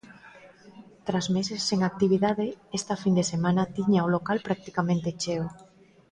Tras meses sen actividade esta fin de semana tiña o local practicamente cheo.